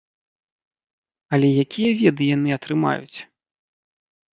Але якія веды яны атрымаюць?